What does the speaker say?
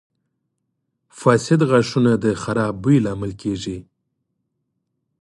• فاسد غاښونه د خراب بوی لامل کیږي.